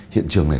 hiện trường này